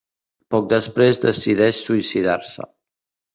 Poc després decideix suïcidar-se.